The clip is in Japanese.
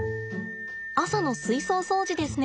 朝の水槽掃除ですね。